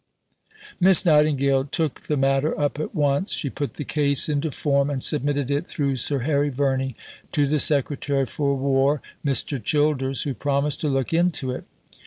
Miss Nightingale took the matter up at once. She put the case into form, and submitted it, through Sir Harry Verney, to the Secretary for War, Mr. Childers, who promised to look into it.